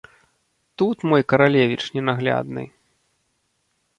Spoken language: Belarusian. Тут мой каралевіч ненаглядны!